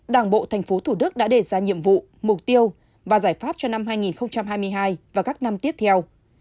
đảng bộ tp thủ đức đã đề ra nhiệm vụ mục tiêu và giải pháp cho năm hai nghìn hai mươi hai và các năm tiếp theo